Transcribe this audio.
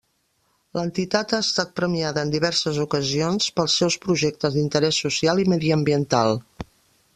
L'entitat ha estat premiada en diverses ocasions pels seus projectes d'interès social i mediambiental.